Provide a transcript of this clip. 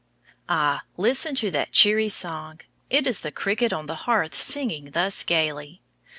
Ah, listen to that cheery song. It is the cricket on the hearth singing thus gayly.